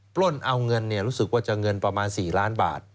ปล้นเอาเงินรู้สึกว่าจะเงินประมาณ๔ล้านบาท